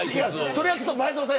それは、前園さん